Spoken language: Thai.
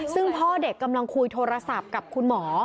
ซึ่งพ่อเด็กกำลังคุยโทรศัพท์กับคุณหมอ